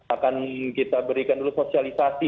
akan kita berikan dulu sosialisasi